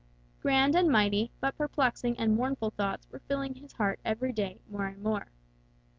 Grand and mighty, but perplexing and mournful thoughts were filling his heart every day more and more.